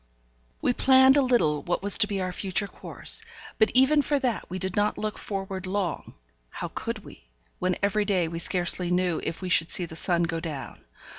We planned a little what was to be our future course; but even for that we did not look forward long; how could we, when every day we scarcely knew if we should see the sun go down?